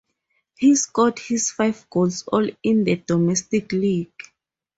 He scored his five goals all in the domestic league.